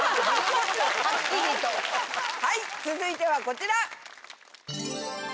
はい続いてはこちら！